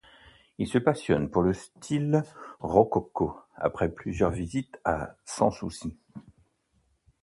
Il se passionne pour le style rococo, après plusieurs visites à Sans-Souci.